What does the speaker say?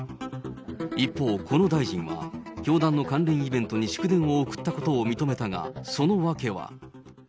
一方、この大臣は、教団の関連イベントに祝電を送ったことを認めたが、その訳は。